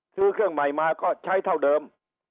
ซื้อเครื่องใหม่มาก็ใช้เท่าเดิม